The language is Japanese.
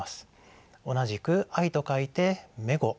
同じく「愛」と書いて「めご」。